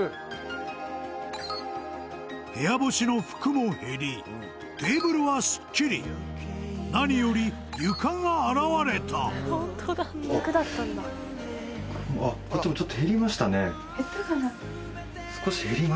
部屋干しの服も減りテーブルはスッキリ何より床が現れたあっこっちもちょっと減りましたね減ったかな？